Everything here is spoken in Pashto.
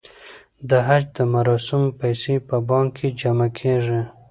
د حج د مراسمو پیسې په بانک کې جمع کیږي.